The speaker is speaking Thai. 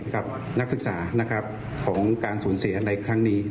กับนักศึกษาของการสูญเสียในครั้งนี้